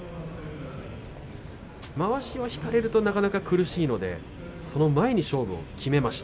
まわしを引かれるとなかなか苦しいのでその前に勝負を決めました。